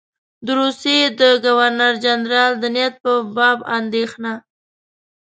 د روسیې د ګورنر جنرال د نیت په باب اندېښنه.